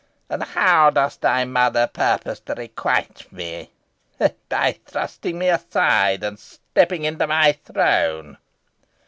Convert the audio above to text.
And how does thy mother purpose to requite me? By thrusting me aside, and stepping into my throne."